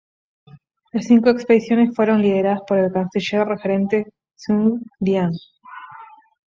Las cinco expediciones fueron lideradas por el canciller regente Zhuge Liang.